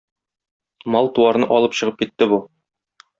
Мал-туарны алып чыгып китте бу.